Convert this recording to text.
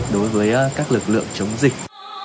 đối với các lực lượng chống dịch